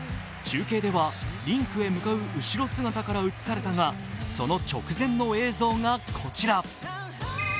中継ではリンクへ向かう後ろ姿から映されたがその直前の映像が、こちら。